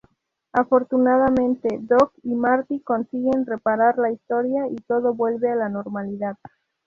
Afortunadamente, Doc y Marty consiguen reparar la historia y todo vuelve a la normalidad.